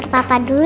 nurut sama papa oke